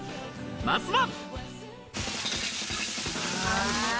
まずは。